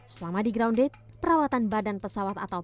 selama di grounded perawatan badan pesawat atau